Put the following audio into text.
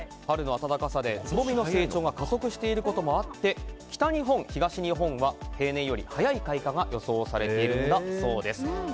春の暖かさでつぼみの成長が加速していることもあって北日本、東日本は平年より早い開花が予想されているんだそうです。